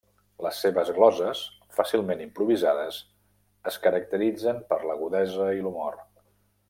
Les seves gloses, fàcilment improvisades, es caracteritzen per l'agudesa i l'humor.